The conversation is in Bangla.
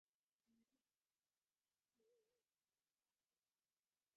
প্রাসাদের কোন অংশ থেকে এ শব্দ ভেসে এল জানি না।